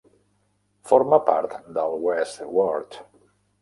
Forma part de West Ward.